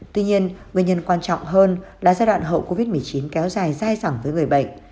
tuy nhiên nguyên nhân quan trọng hơn là giai đoạn hậu covid một mươi chín kéo dài dai dẳng với người bệnh